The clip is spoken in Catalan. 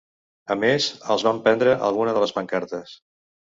A més, els van prendre alguna de les pancartes.